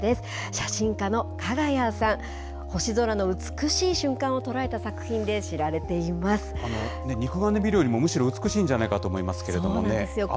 写真家のＫＡＧＡＹＡさん、星空の美しい瞬間を捉えた作品で知ら肉眼で見るよりもむしろ美しいんじゃないかと思いますけれどもね。